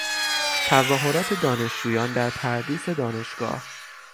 تظاهرات دانشجویان در پردیس دانشگاه